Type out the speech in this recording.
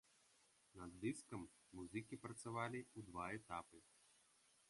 Над дыскам музыкі працавалі ў два этапы.